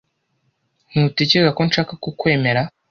Ntutekereza ko nshaka kukwemera